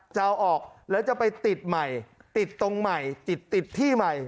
จะเอาออกแล้วจะไปติดใหม่ติดตรงใหม่ติดติดที่ใหม่